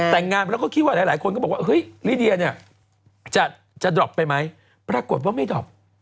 แต่งงานแล้วก็คิดว่าหลายคนก็บอกว่าเฮ้ยลิเดียเนี่ยจะดรอปไปไหมปรากฏว่าไม่ดรอป